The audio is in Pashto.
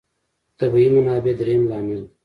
طبیعي منابع درېیم لامل دی.